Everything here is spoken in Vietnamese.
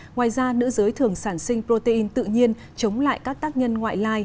ngoài ra nữ giới thường sản sinh protein tự nhiên chống lại các tác nhân ngoại lai